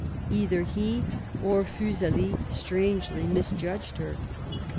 Either he or Fuseli strangely misjudged her.